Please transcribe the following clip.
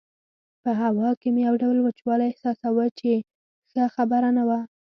په هوا کې مې یو ډول وچوالی احساساوه چې ښه خبره نه وه.